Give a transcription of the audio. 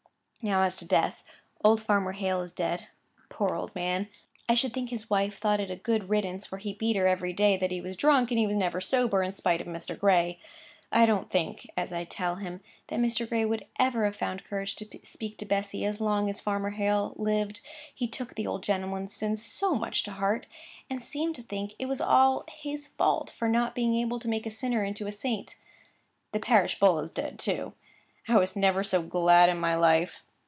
'Now, as to deaths, old Farmer Hale is dead—poor old man, I should think his wife thought it a good riddance, for he beat her every day that he was drunk, and he was never sober, in spite of Mr. Gray. I don't think (as I tell him) that Mr. Gray would ever have found courage to speak to Bessy as long as Farmer Hale lived, he took the old gentleman's sins so much to heart, and seemed to think it was all his fault for not being able to make a sinner into a saint. The parish bull is dead too. I never was so glad in my life.